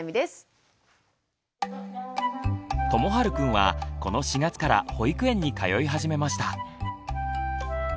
ともはるくんはこの４月から保育園に通い始めました。